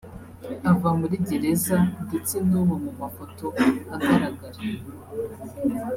Ava muri Gereza ndetse n’ubu mu mafoto agaragara